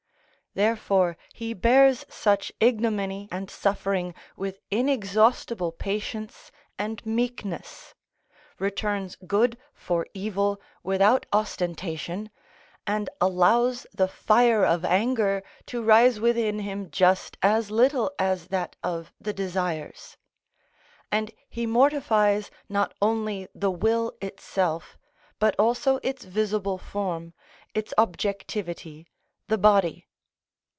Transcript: Therefore he bears such ignominy and suffering with inexhaustible patience and meekness, returns good for evil without ostentation, and allows the fire of anger to rise within him just as little as that of the desires. And he mortifies not only the will itself, but also its visible form, its objectivity, the body.